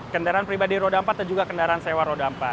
kendaraan pribadi roda empat dan juga kendaraan sewa roda empat